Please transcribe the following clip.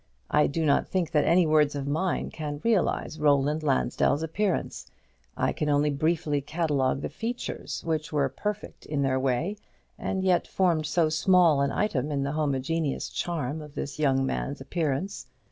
I do not think that any words of mine can realize Roland Lansdell's appearance; I can only briefly catalogue the features, which were perfect in their way, and yet formed so small an item in the homogeneous charm of this young man's appearance.